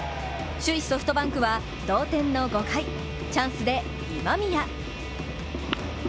首位・ソフトバンクは同点の５回チャンスで今宮！